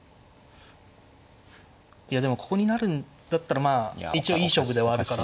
いやでもここに成るんだったらまあ一応いい勝負ではあるから。